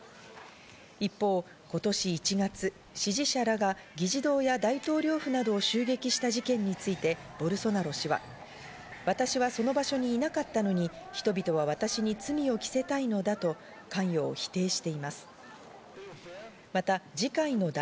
一方、今年１月、支持者らが議事堂や大統領府などを襲撃した事件について、ボルソナロ氏は、私はその場所にいなかったのに人々は私に罪を着せたいのだと、関与を否定しています。